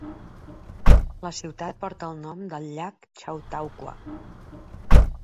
La ciutat porta el nom del llac Chautauqua.